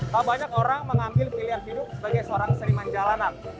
tak banyak orang mengambil pilihan hidup sebagai seorang seniman jalanan